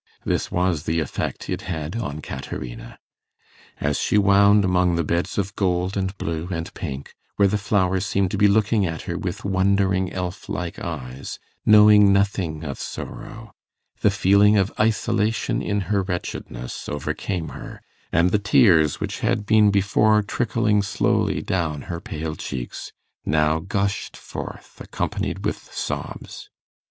This was the effect it had on Caterina. As she wound among the beds of gold and blue and pink, where the flowers seemed to be looking at her with wondering elf like eyes, knowing nothing of sorrow, the feeling of isolation in her wretchedness overcame her, and the tears, which had been before trickling slowly down her pale cheeks, now gushed forth accompanied with sobs.